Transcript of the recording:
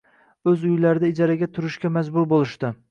O‘z uylarida ijarada turishga majbur bo‘lishdi.